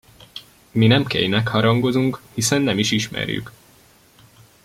Mi nem Kaynak harangozunk, hiszen nem is ismerjük.